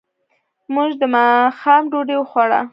موږ د ماښام ډوډۍ وخوړه.